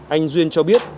anh duyên cho biết